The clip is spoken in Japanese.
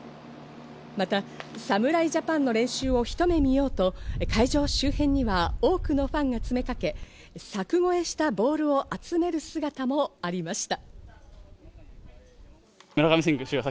また侍ジャパンの練習を一目見ようと、会場周辺には多くのファンが詰めかけ、柵越えしたボールを集める姿もありました。